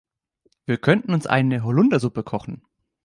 Wir könnten uns eine Holundersuppe kochen.